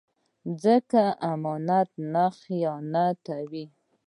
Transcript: ځمکه امانت نه خیانتوي